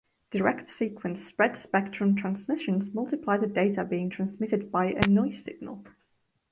Direct-sequence spread-spectrum transmissions multiply the data being transmitted by a "noise" signal.